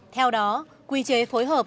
theo đó quy chế phối hợp